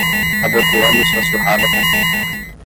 Abotoando sua surrada camisa